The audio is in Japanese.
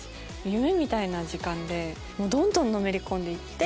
夢みたいな時間でどんどんのめり込んで行って。